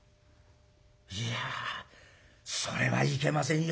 いやそれはいけませんよ